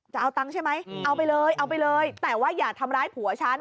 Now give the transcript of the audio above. จะเอาตังค์ใช่ไหมเอาไปเลยเอาไปเลยแต่ว่าอย่าทำร้ายผัวฉัน